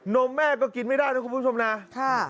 มแม่ก็กินไม่ได้นะคุณผู้ชมนะ